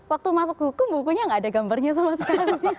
waktu masuk hukum bukunya gak ada gambarnya sama sekali